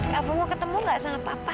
kak fad mau ketemu gak sama papa